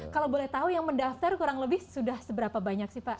kalau boleh tahu yang mendaftar kurang lebih sudah seberapa banyak sih pak